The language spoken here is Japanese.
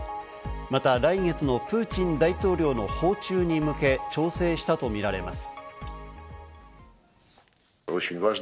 また来月のプーチン大統領の訪中に向け、調整したとみられます。